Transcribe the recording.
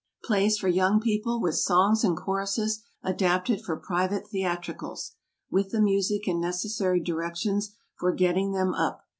=PLAYS FOR YOUNG PEOPLE=, with Songs and Choruses, adapted for Private Theatricals. With the Music and necessary directions for getting them up.